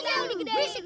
bisa yang digedein